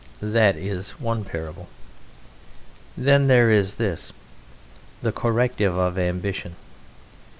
That is one parable. Then there is this: the corrective of ambition.